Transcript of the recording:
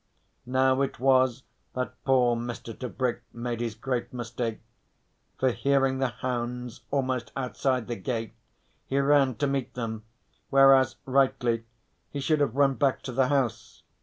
Now it was that poor Mr. Tebrick made his great mistake, for hearing the hounds almost outside the gate he ran to meet them, whereas rightly he should have run back to the house.